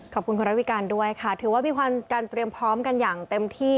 ขอบคุณคุณระวิการด้วยค่ะถือว่ามีการเตรียมพร้อมกันอย่างเต็มที่